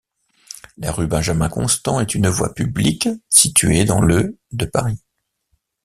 La rue Benjamin-Constant est une voie publique située dans le de Paris.